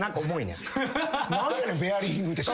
何やねんベアリングって。